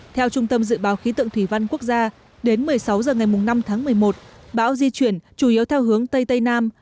theo trung tâm dự báo khí tượng thủy văn quốc gia đến một mươi sáu h ngày năm tháng một mươi một bão di chuyển chủ yếu theo hướng tây tây nam